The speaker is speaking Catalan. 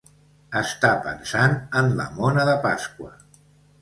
Estar pensant en la mona de Pasqua.